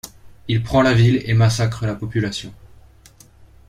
Il prend la ville et massacre la population.